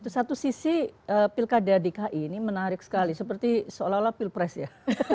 satu sisi pilkada dki ini menarik sekali seperti seolah olah pilpres ya